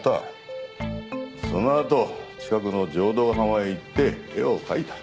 そのあと近くの浄土ヶ浜へ行って絵を描いた。